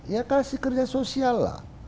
ya kasih kerja sosial